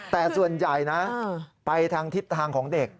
แต่ส่วนใหญ่นะไปทางทิศทางของเด็ก